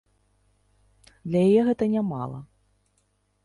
Для яе гэта нямала.